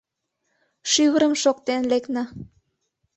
Шӱвырым шоктен лекна.